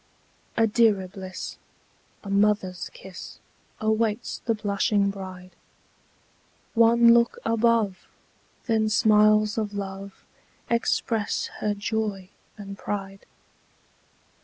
A dearer bliss, a mother's kiss, Awaits the blushing bride: One look above! then smiles of love Express her joy and pride.